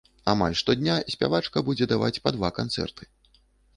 Амаль штодня спявачка будзе даваць па два канцэрты.